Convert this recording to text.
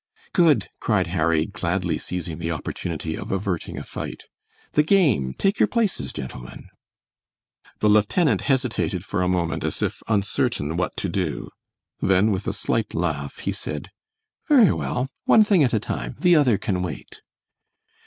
"Good!" cried Harry, gladly seizing the opportunity of averting a fight. "The game! Take your places, gentlemen!" The lieutenant hesitated for a moment, as if uncertain what to do. Then, with a slight laugh, he said, "Very well, one thing at a time, the other can wait."